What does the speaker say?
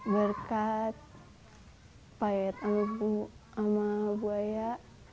berkat pak yat sama bu aya